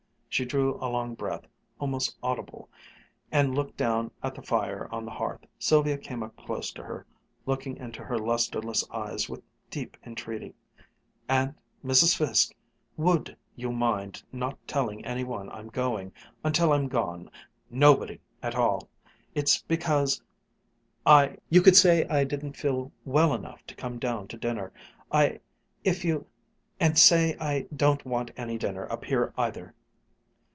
She drew a long breath, almost audible, and looked down at the fire on the hearth. Sylvia came up close to her, looking into her lusterless eyes with deep entreaty. "And, Mrs. Fiske, would you mind not telling any one I'm going, until I'm gone nobody at all! It's because I you could say I didn't feel well enough to come down to dinner. I if you and say I don't want any dinner up here either!"